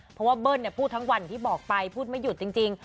เพราะว่าเบิ้ลพูดทั้งวันอย่างที่บอกไปพูดไม่หยุดจริง